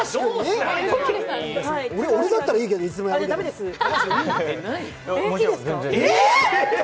俺だったらいいけど、いつでも。いいです！